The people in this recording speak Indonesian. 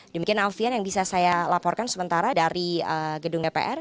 demikian alfian yang bisa saya laporkan sementara dari gedung dpr